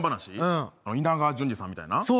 稲川淳二さんみたいな？